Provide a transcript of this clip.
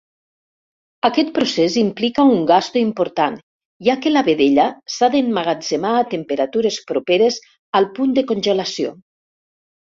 Aquest procés implica un gasto important, ja que la vedella s'ha d'emmagatzemar a temperatures properes al punt de congelació.